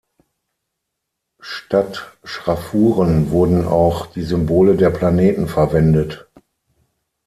Statt Schraffuren wurden auch die Symbole der Planeten verwendet.